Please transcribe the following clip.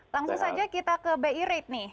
langsung saja kita ke bi rate nih